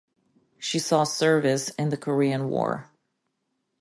She saw service in the Korean War.